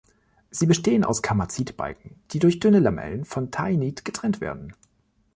Sie bestehen aus Kamacit-Balken, die durch dünne Lamellen von Taenit getrennt werden.